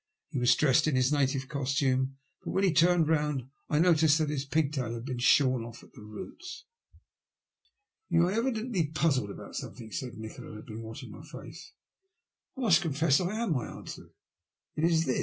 He was dressed in his native costume, but when he turned round I noticed that his pigtail had been shorn off at the roots. ENGLAND ONCE MORE. 57 ''Tou are evidently puzzled about something/* said Nikola, who had been watching my face. '' I mast confess I am/' I answered. It is this.